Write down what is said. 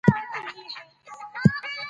هغه سړي ډېر زحمت وکښی.